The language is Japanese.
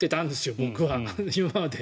僕は、今まで。